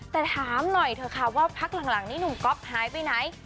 แต่ถามหน่อยเถอะค่ะว่าพักหลังนี้หนุ่มก๊อฟหายไปไหน